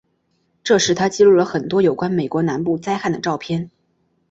这时他记录了很多有关美国南部旱灾的照片。